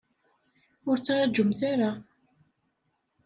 Ur ttraǧumt ara.